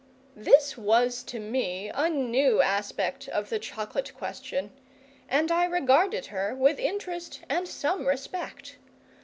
This was to me a new aspect of the chocolate question, and I regarded her with interest and some respect.